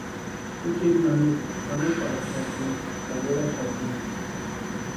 Juchiti nanita pʼameparhaxati ka weraxati.